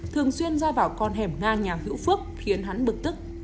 thường xuyên ra vào con hẻm nga nhà hữu phước khiến hắn bực tức